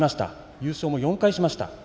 優勝も４回しました。